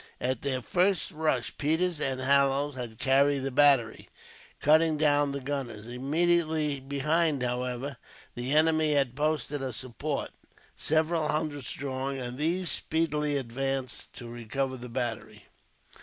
At their first rush, Peters and Hallowes had carried the battery, cutting down the gunners. Immediately behind, however, the enemy had posted a support, several hundred strong, and these speedily advanced to recover the battery.